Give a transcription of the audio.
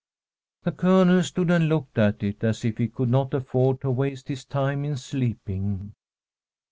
The Colonel stood and looked at it as if he could not afford to waste his time in sleeping.